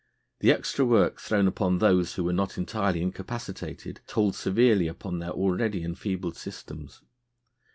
The extra work thrown upon those who were not entirely incapacitated told severely upon their already enfeebled systems.